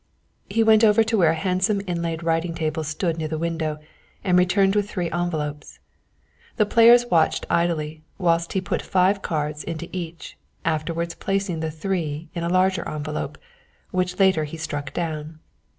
He went over to where a handsome inlaid writing table stood near the window and returned with three envelopes. The players watched idly whilst he put five cards into each; afterwards placing the three in a larger envelope, which latter he stuck down.